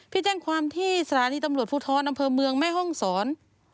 แจ้งความที่สถานีตำรวจภูทรอำเภอเมืองแม่ห้องศร